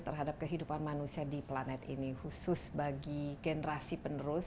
terhadap kehidupan manusia di planet ini khusus bagi generasi penerus